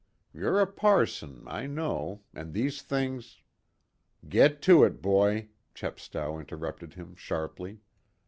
You're a parson, I know, and these things " "Get to it, boy," Chepstow interrupted him sharply.